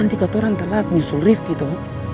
nanti katorang telat nyusul rift gitu